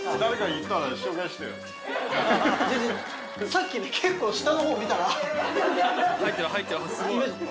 さっきね結構下のほう見たら。